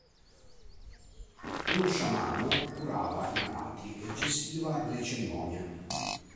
Uno sciamano curava i malati e gestiva le cerimonie.